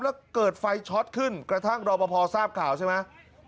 แล้วเกิดไฟช็อตขึ้นกระทั่งรอปภทราบข่าวใช่ไหม